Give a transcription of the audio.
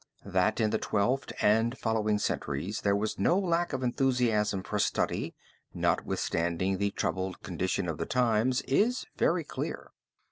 That in the Twelfth and following centuries there was no lack of enthusiasm for study, notwithstanding the troubled condition of the times, is very clear.